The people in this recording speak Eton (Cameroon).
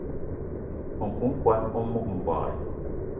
Nku kwan o mog mbogui.